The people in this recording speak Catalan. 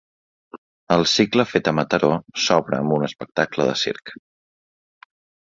El cicle Fet a Mataró s'obre amb un espectacle de circ.